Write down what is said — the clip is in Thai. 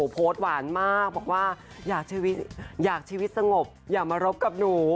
โพสต์หวานมากบอกว่าอยากชีวิตสงบอย่ามารบกับหนู